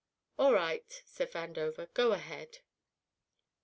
"All right," said Vandover. "Go ahead."